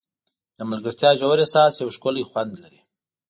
د ملګرتیا ژور احساس یو ښکلی خوند لري.